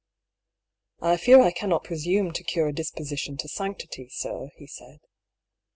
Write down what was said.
*'Ifear I cannot presume to cure a disposition to sanctity, sir," he said.